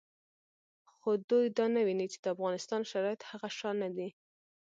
خو دوی دا نه ویني چې د افغانستان شرایط هغه شان نه دي